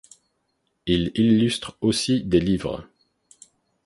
Il illustre aussi des livres.